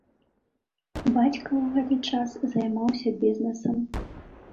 Бацька ў гэты час займаўся бізнэсам.